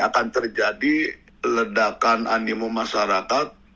akan terjadi ledakan animo masyarakat